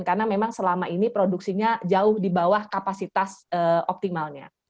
karena memang selama ini produksinya jauh di bawah kapasitas optimalnya